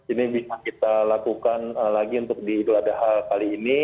ini bisa kita lakukan lagi untuk di idul adha kali ini